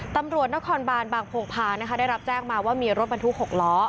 ตำรวจนครบานบางโพงพานะคะได้รับแจ้งมาว่ามีรถบรรทุก๖ล้อ